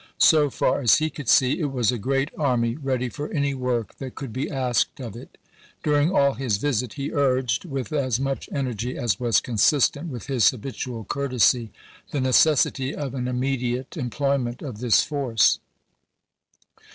So far as he could see, it was a great army ready for any work that could be asked of it. During all his visit he urged, with as much energy as was consistent with his habitual courtesy, the necessity of an immediate THE REMOVAL OF McCLELLAN 175 employment of this force.